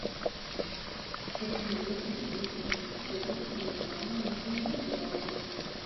Пры няведанні, можна лічыць, што вуліца названая і ў яго гонар.